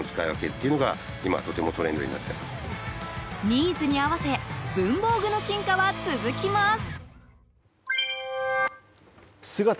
ニーズに合わせ文房具の進化は続きます。